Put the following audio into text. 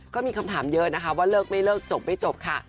ก็มีคำถามเยอะนะคะว่าเลิกไม่เลิกจบไม่จบค่ะ